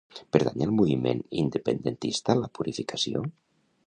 Pertany al moviment independentista la Purificació?